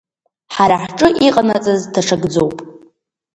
Ҳара ҳҿы иҟанаҵаз даҽакӡоуп.